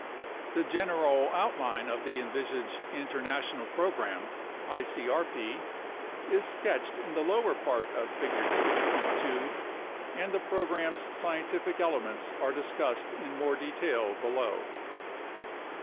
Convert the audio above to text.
The general outline of the envisaged international program (icrp) is sketched in the lower part of Figure 6.2, and the program's scientific elements are discussed in more detail below.